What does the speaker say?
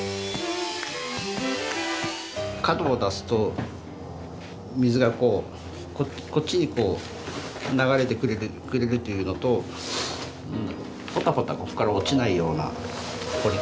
角を出すと水がこっちにこう流れてくれるというのとポタポタここから落ちないような彫り方っていうんですかね。